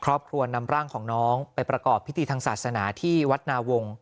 ครอบครัวนำร่างของน้องไปประกอบพิธีทางศาสนาที่วัดนาวงศ